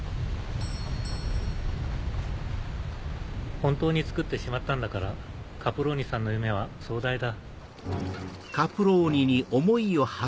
本当につくってしまったんだからカプローニさんの夢は壮大だ。